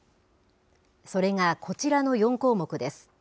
それがこちらの４項目です。